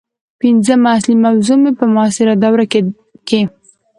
پنځمه اصلي موضوع مې په معاصره دوره کې